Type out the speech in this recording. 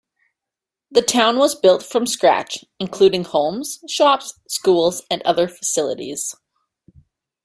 The town was built from scratch, including homes, shops, schools and other facilities.